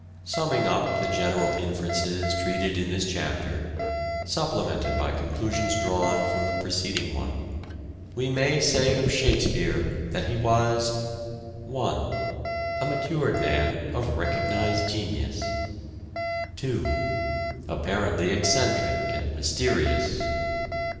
Summing up the general inferences treated in this chapter, supplemented by conclusions drawn from the preceding one, we may say of Shakespeare that he was :— i. A matured man of recognized genius. THE AUTHOR— GENERAL FEATURES 119 2. Apparently eccentric and mysterious.